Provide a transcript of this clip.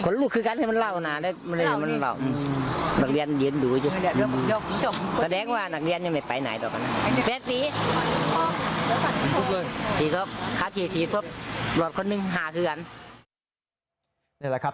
นี่แหละครับ